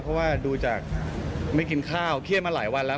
เพราะว่าดูจากไม่กินข้าวเครียดมาหลายวันแล้ว